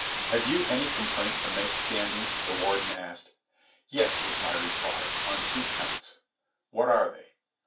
"Have you any complaint to make, Standing?" the Warden asked. "Yes," was my reply. "On two counts." "What are they?"